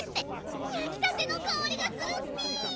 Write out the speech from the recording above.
やきたてのかおりがするッピ！